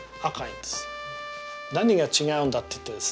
何が違うんだって言ったらですね